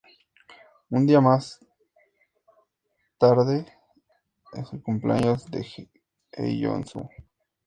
Un día más tarde es el cumpleaños de Hyeon-su.